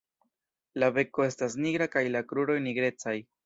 La beko estas nigra kaj la kruroj nigrecaj.